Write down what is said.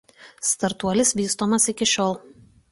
Startuolis vystomas iki šiol.